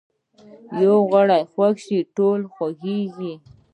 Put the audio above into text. یو غړی خوږ شي ټول خوږیږي